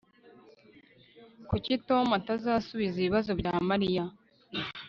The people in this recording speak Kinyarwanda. Kuki Tom atazasubiza ibibazo bya Mariya